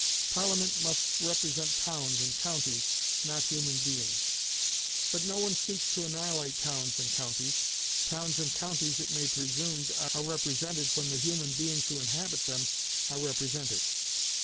Parliament must represent towns and counties, not human beings. But no one seeks to annihilate towns and counties. Towns and counties, it may be presumed, are represented when the human beings who inhabit them are represented.